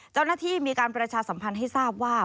เจ้าหน้าที่มีการประชาสัมพันธ์ให้ทราบว่า